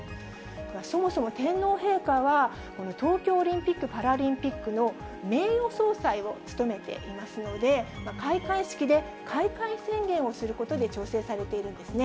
そもそも天皇陛下は、この東京オリンピック・パラリンピックの名誉総裁を務めていますので、開会式で開会宣言をすることで調整されているんですね。